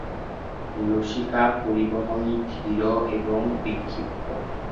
লসিকা পরিবহন ধীর এবং বিক্ষিপ্ত।